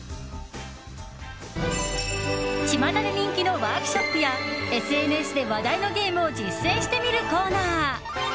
ちまたで人気のワークショップやＳＮＳで話題のゲームを実践してみるコーナー